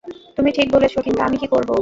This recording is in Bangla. তুমি ঠিক বলেছ, কিন্তু আমি কী করবো?